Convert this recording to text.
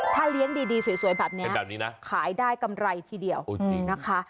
ถ้าเลี้ยงดีสวยแบบนี้ขายได้กำไรทีเดียวนะคะ